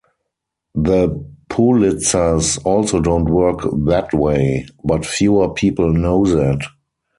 The Pulitzers also don't work that way, but fewer people know that.